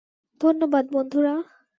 ধন্যবাদ, বন্ধুরা।